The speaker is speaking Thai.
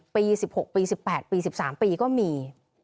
ปี๑๖ปี๑๘ปี๑๓ปีก็มี